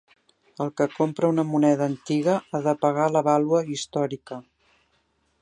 El que compra una moneda antiga, ha de pagar la vàlua històrica